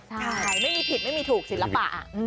ใช่ไม่มีผิดไม่มีถูกศิลปะ